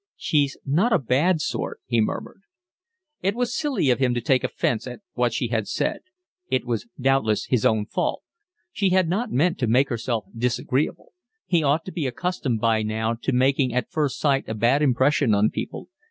"She's not a bad sort," he murmured. It was silly of him to take offence at what she had said; it was doubtless his own fault; she had not meant to make herself disagreeable: he ought to be accustomed by now to making at first sight a bad impression on people.